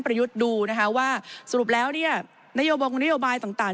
ประยุทธ์ดูนะฮะว่าสรุปแล้วเนี่ยนโยบานโยบายต่างต่าง